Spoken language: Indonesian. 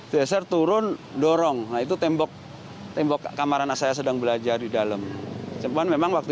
geser turun dorong nah itu tembok tembok kamar anak saya sedang belajar di dalam cuman memang waktu